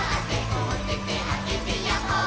「おててあげてやっほー☆」